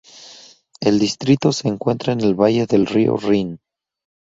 El distrito se encuentra en el valle del río Rin.